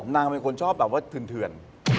นางเป็นคนชอบแบบว่าเถื่อน